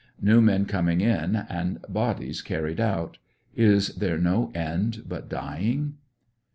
New men coming in, and bodies carried out. Is there no end but djing?